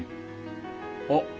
あっ！